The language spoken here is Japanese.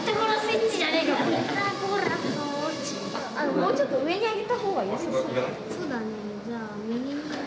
もうちょっと上に上げた方がよさそう。